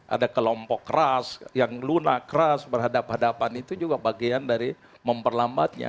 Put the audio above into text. ada kelompok keras yang lunak keras berhadapan hadapan itu juga bagian dari memperlambatnya